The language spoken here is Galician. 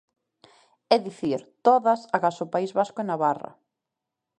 É dicir, todas agás o País Vasco e Navarra.